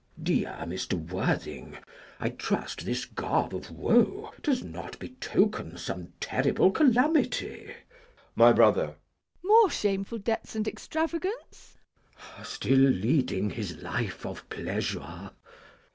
CHASUBLE. Dear Mr. Worthing, I trust this garb of woe does not betoken some terrible calamity? JACK. My brother. MISS PRISM. More shameful debts and extravagance? CHASUBLE. Still leading his life of pleasure?